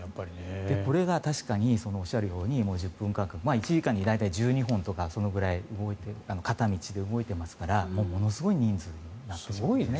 これが確かにおっしゃるように１０分間隔１時間に１２本とかそのぐらい片道で動いていますからすごいですね。